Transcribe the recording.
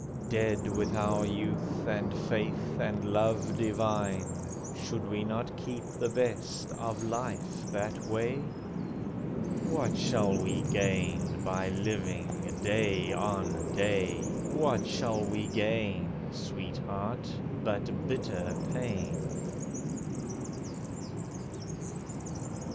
Dead with our youth, and faith, and love divine, Should we not keep the best of life that way? What shall we gain by living day on day? What shall we gain, Sweetheart, but bitter pain?